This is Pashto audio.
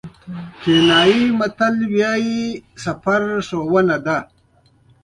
کینیايي متل وایي سفر ښوونه ده.